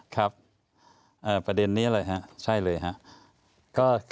ครับประเด็นนี้อะไรฮะใช่เลยครับ